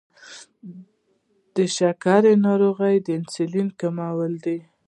شکره ناروغي د انسولین کموالي ده.